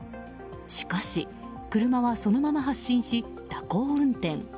しかし車はそのまま発進し蛇行運転。